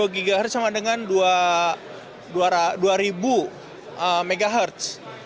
dua ghz sama dengan dua ribu mhz